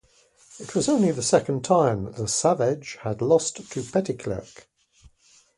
It was only the second time that Sauvage had lost to Petitclerc.